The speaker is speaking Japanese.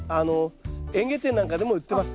園芸店なんかでも売ってます。